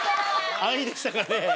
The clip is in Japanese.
安易でしたかね？